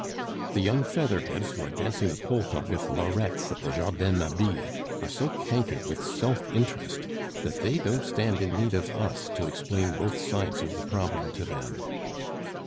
The young featherheads who are dancing the polka with lorettes at the Jardin Mabille, are so cankered with self interest, that they don't stand in need of us to explain both sides of the problem to them.